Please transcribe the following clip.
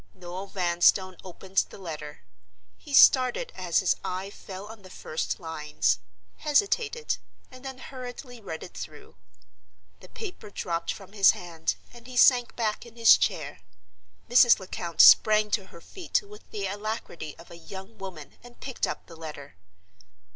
Noel Vanstone opened the letter. He started as his eye fell on the first lines—hesitated—and then hurriedly read it through. The paper dropped from his hand, and he sank back in his chair. Mrs. Lecount sprang to her feet with the alacrity of a young woman and picked up the letter.